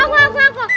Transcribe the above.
aku aku aku